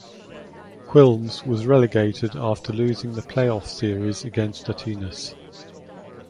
Quilmes was relegated after losing the playoff series against Atenas.